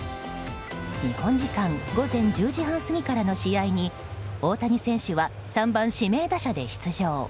日本時間午前１０時半過ぎからの試合に大谷選手は、３番指名打者で出場。